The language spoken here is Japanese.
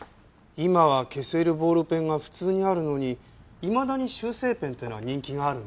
今は消せるボールペンが普通にあるのにいまだに修正ペンっていうのは人気があるんですねえ。